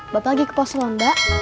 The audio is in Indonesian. buat lagi ke pos londa